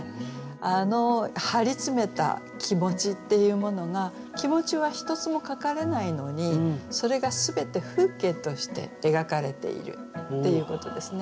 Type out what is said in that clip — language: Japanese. あの張り詰めた気持ちっていうものが気持ちは一つも書かれないのにそれが全て風景として描かれているっていうことですね。